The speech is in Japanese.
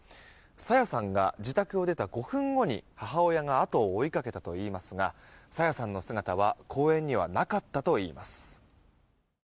朝芽さんが自宅を出た５分後に母親が後を追いかけたといいますが朝芽さんの姿は公園にはなかったといいます。